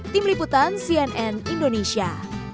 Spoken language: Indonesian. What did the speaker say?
tim liputan cnn indonesia